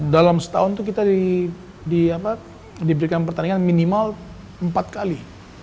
dalam setahun itu kita diberikan pertandingan minimal empat kali